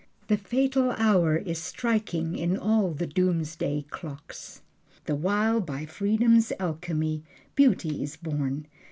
The fatal hour is striking in all the doomsday clocks. The while, by freedom's alchemy Beauty is born.